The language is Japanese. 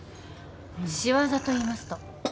仕業といいますと？